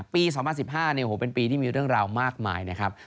ปี๒๐๑๕เป็นปีที่มีเรื่องราวมากมายนะครับ